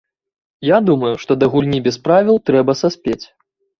Я думаю, што да гульні без правіл трэба саспець.